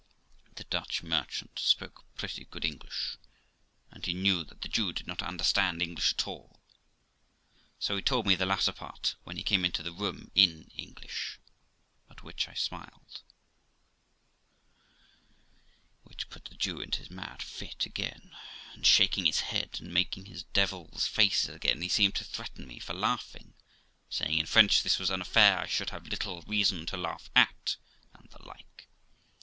The Dutch merchant spoke pretty good English, and he knew that the Jew did not understand English at all, so he told me the latter part, when he came into the room, in English, at which I smiled, which put the Jew into his mad fit again, and shaking his head and making his devil's faces again, he seemed to threaten me for laughing, saying, in French, this was an affair I should have little reason to laugh at, and the like.